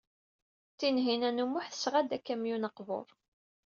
Tinhinan u Muḥ tesɣa-d akamyun aqbur.